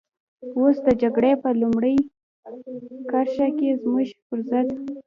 اوس د جګړې په لومړۍ کرښه کې زموږ پر ضد.